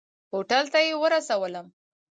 هوټل ته یې ورسولم.